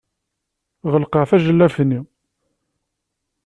Ɣelqeɣ tajellabt-nni.